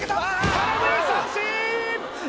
空振り三振！